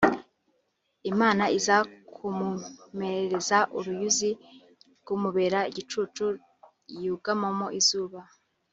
Imana iza kumumereza uruyuzi rumubera igicucu yugamamo izuba